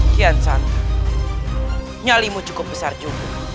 kian san nyalimu cukup besar juga